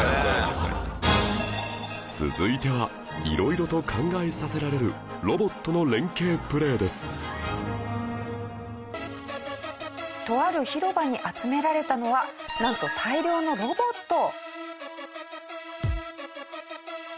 続いては色々と考えさせられるロボットの連携プレーですとある広場に集められたのはなんと大量のロボット。